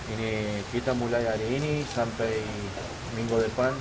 ini kita mulai hari ini sampai minggu depan